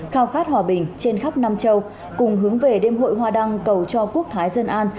khao khát hòa bình trên khắp nam châu cùng hướng về đêm hội hoa đăng cầu cho quốc thái dân an